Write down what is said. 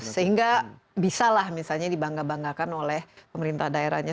sehingga bisa lah misalnya dibangga banggakan oleh pemerintah daerahnya